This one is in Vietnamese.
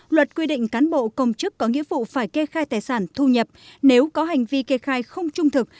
luật quy định cán bộ công chức có nghĩa vụ phải kê khai tài sản thu nhập nếu có hành vi kê khai không trung thực